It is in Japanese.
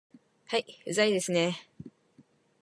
はい、うざいですね